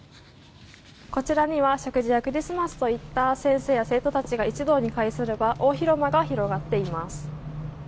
こちらには食事やクリスマスといった先生や生徒たちが一堂に会する場大広間が広がっています。